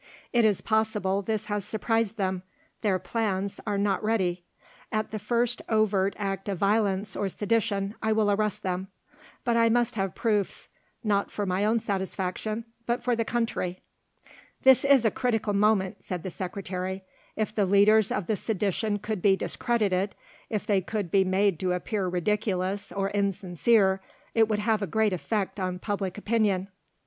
"It is possible this has surprised them; their plans are not ready. At the first overt act of violence or sedition, I will arrest them. But I must have proofs, not for my own satisfaction, but for the country." "This is a critical moment," said the Secretary. "If the leaders of the sedition could be discredited, if they could be made to appear ridiculous or insincere, it would have a great effect on public opinion."